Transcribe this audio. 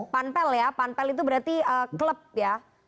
panpel ya panpel itu berarti klub ya